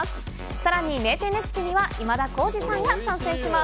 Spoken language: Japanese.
さらに名店レシピには今田耕司さんが参戦します。